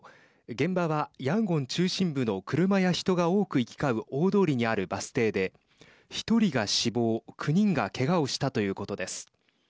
現場はヤンゴン中心部の車や人が多く行き交う大通りにあるバス停で１人が死亡、９人がけがをしたということです。